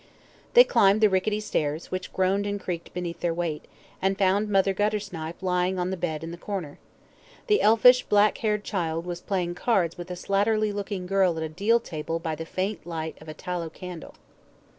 They climbed the rickety stairs, which groaned and creaked beneath their weight, and found Mother Guttersnipe lying on the bed in the corner. The elfish black haired child was playing cards with a slatternly looking girl at a deal table by the faint light of a tallow candle.